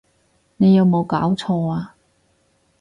你有無攪錯呀！